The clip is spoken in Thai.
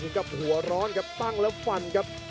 กับหัวร้อนครับตั้งแล้วฟันครับ